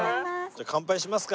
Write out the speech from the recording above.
乾杯しますか？